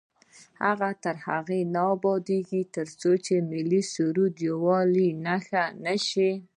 افغانستان تر هغو نه ابادیږي، ترڅو ملي سرود د یووالي نښه نشي.